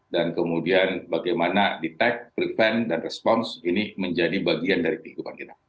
dan kemudian bagaimana detect prevent dan response ini menjadi bagian dari kehidupan kita